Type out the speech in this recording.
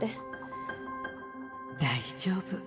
大丈夫。